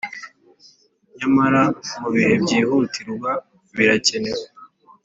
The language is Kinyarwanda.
Nyamara mu bihe byihutirwa birakenewe